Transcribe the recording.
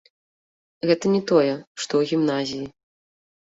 Гэта не тое, што ў гімназіі.